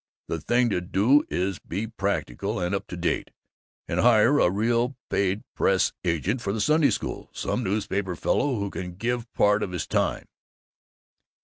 The thing to do is to be practical and up to date, and hire a real paid press agent for the Sunday School some newspaper fellow who can give part of his time."